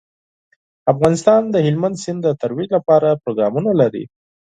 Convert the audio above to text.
افغانستان د هلمند سیند د ترویج لپاره پروګرامونه لري.